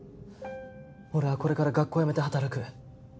俺はこれから学校を辞めて働く。